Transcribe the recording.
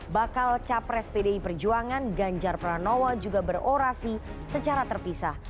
bakal capres pdi perjuangan ganjar pranowo juga berorasi secara terpisah